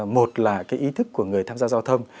một là cái ý thức của người tham gia giao thông